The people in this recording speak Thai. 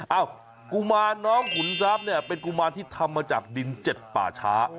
กุมารน้องขุนทรัพย์เนี่ยเป็นกุมารที่ทำมาจากดินเจ็ดป่าช้า